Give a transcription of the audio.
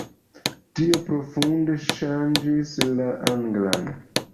Tio profunde ŝanĝis la anglan.